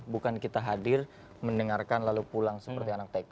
bukan kita hadir mendengarkan lalu pulang seperti anak tk